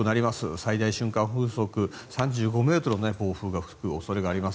最大瞬間風速３５ｍの暴風が吹く恐れがあります。